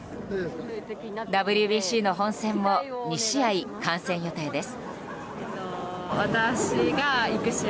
ＷＢＣの本戦も２試合、観戦予定です。